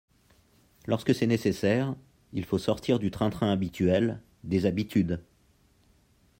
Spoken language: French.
Lorsque c’est nécessaire, il faut sortir du train-train habituel, des habitudes.